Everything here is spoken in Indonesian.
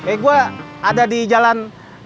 eh gue ada di jalan